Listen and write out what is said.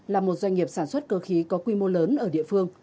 là một doanh nghiệp sản xuất cơ khí có quy mô lớn ở địa phương